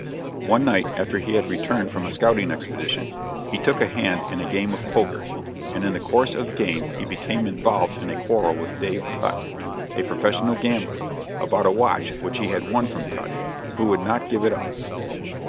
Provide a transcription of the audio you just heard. One night, after he had returned from a scouting expedition, he took a hand in a game of poker, and in the course of the game he became involved in a quarrel with Dave Tutt, a professional gambler, about a watch which he had won from Tutt, who would not give it up.